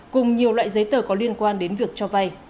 cùng nhiều loại giấy tờ có liên quan đến việc cho vay